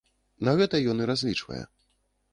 На гэта ён і разлічвае.